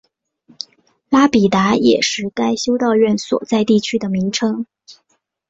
拉比达也是该修道院所在地区的名称。